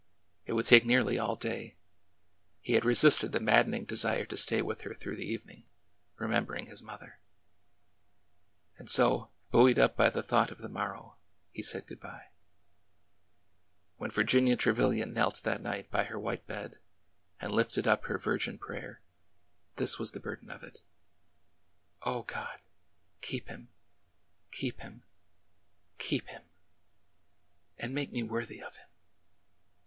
It would take nearly all day. He had resisted the maddening desire to stay with her through the evening, remembering his mother. And so, buoyed up by the thought of the morrow, he said good by. When Virginia Trevilian knelt that night by her white bed and lifted up her virgin prayer, this was the burden of it : O God! keep him — keep him — keep him! ... and make me worthy of him